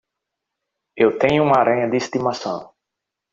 Eu tenho uma aranha de estimação.